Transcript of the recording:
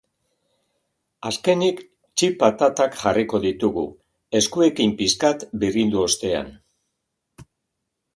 Azkenik, chip patatak jarriko ditugu, eskuekin pixkat birrindu ostean.